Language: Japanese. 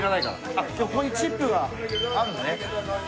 あっでもここにチップがあんのね。